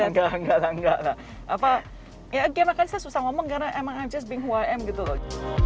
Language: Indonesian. enggak enggak lah apa ya makanya saya susah ngomong karena emang i m just being who i am gitu loh